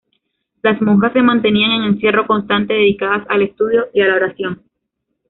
Las monjas se mantenían en encierro constante, dedicadas al estudio y a la oración.